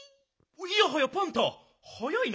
いやはやパンタ早いな。